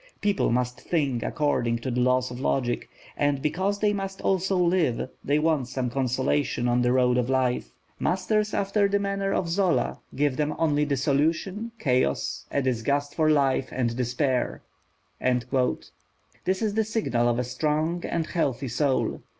People must think according to the laws of logic. And because they must also live, they want some consolation on the road of life. Masters after the manner of Zola give them only dissolution, chaos, a disgust for life, and despair." This is the signal of a strong and healthy soul.